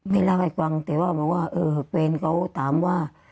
ไม่เล่าให้ฟังแต่ว่าเพื่อนเขาถามว่า